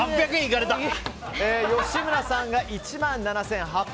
吉村さんが１万７８５０円。